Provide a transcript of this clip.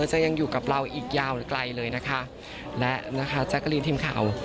จะยังอยู่กับเราอีกยาวไกลเลยนะคะและนะคะแจ๊กกะลีนทีมข่าว